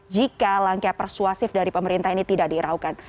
jika langkah persuasif dari pemerintah ini tidak diraukan